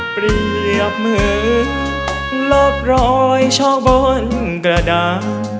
เปรียบเหมือนลบรอยช่อบนกระดาษ